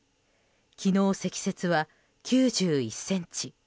昨日、積雪は９１ｃｍ。